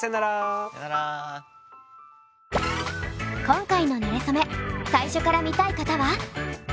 今回の「なれそめ」最初から見たい方は！